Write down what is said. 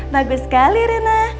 bagus sekali rena